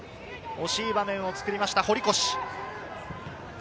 惜しい場面を作りました、堀越。